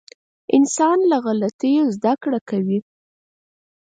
• انسان له غلطیو زده کړه کوي.